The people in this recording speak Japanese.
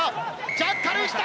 ジャッカルした！